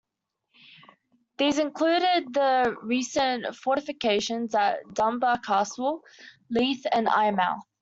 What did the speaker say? These included the recent fortifications at Dunbar Castle, Leith and Eyemouth.